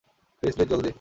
Please, please জলদি!